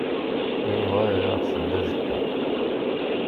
Yuba ad iṛuḥ seld azekka.